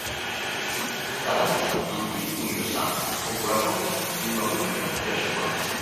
Falamos dun ti universal ou, pola contra, dunha única persoa?